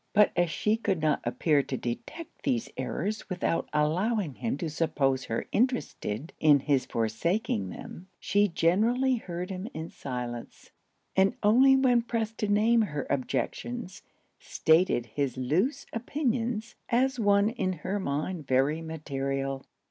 But as she could not appear to detect these errors without allowing him to suppose her interested in his forsaking them, she generally heard him in silence; and only when pressed to name her objections stated his loose opinions as one in her mind very material.